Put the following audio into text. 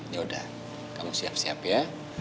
yaudah kamu siap siap ya